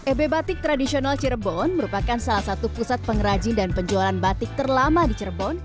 ebe batik tradisional cirebon merupakan salah satu pusat pengrajin dan penjualan batik terlama di cirebon